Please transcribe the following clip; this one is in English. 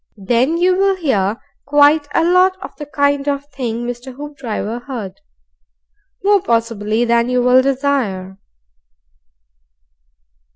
Then you will hear quite a lot of the kind of thing Mr. Hoopdriver heard. More, possibly, than you will desire.